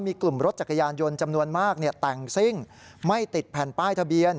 มีกลุ่มรถจักรยานยนต์จำนวนมากแต่งซิ่งไม่ติดแผ่นป้ายทะเบียน